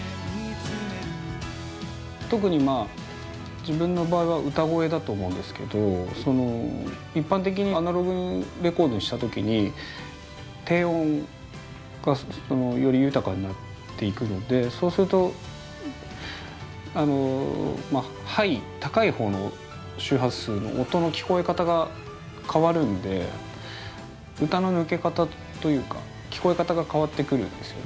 特に自分の場合は歌声だと思うんですけど一般的にアナログレコードにした時に低音がより豊かになっていくのでそうするとハイ高いほうの周波数の音の聞こえ方が変わるんで歌の抜け方というか聞こえ方が変わってくるんですよね。